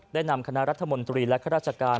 นำคณะรัฐมนตรีและข้าราชการ